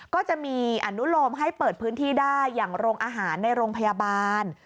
ก็จะมีอนุโลมให้เปิดพื้นที่ได้อย่างโรงอาหารในโรงพยาบาล